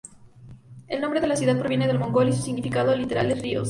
El nombre de la ciudad proviene del Mongol, y su significado literal es "Ríos".